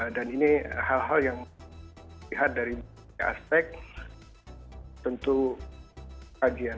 dan ini hal hal yang dilihat dari aspek tentu kajian